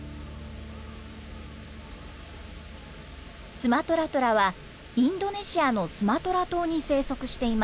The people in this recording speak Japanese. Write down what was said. スマトラトラはインドネシアのスマトラ島に生息しています。